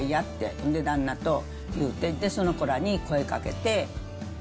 そんで旦那というて、その子らに声かけて。